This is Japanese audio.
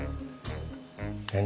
何？